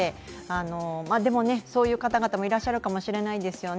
でも、そういう方々もいらっしゃるかもしれないですよね。